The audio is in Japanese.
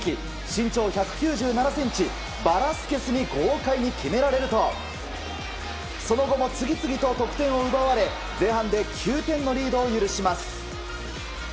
身長１９７ｃｍ、バラスケスに豪快に決められるとその後も次々と得点を奪われ前半で９点のリードを許します。